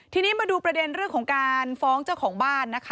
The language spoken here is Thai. ทีนี้มาดูประเด็นเรื่องของการฟ้องเจ้าของบ้านนะคะ